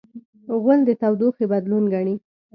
غول د تودوخې بدلون ګڼي.